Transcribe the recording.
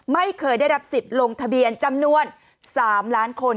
ไม่เคยได้รับสิทธิ์ลงทะเบียนจำนวน๓ล้านคน